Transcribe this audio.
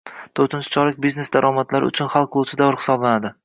To'rtinchi chorak biznes daromadlari uchun hal qiluvchi davr hisoblanadi